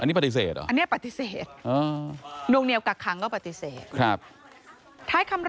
อันนี้ปฏิเสธเหรออันนี้ปฏิเสธ